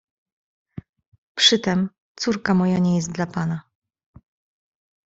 "Przytem córka moja nie jest dla pana."